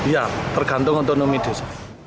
ya tergantung otonomi desa